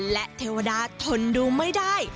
และเทวดาทนดูไม่ได้